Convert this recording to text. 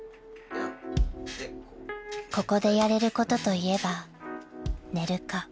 ［ここでやれることといえば寝るか